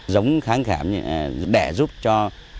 giống kháng khảm để giúp cho